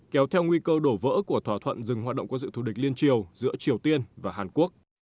kéo theo nguy cơ đổ vỡ của thỏa thuận dừng hoạt động quân sự thù địch liên triều giữa triều tiên và hàn quốc